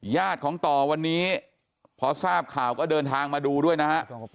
ญาติของต่อวันนี้พอทราบข่าวก็เดินทางมาดูด้วยนะฮะ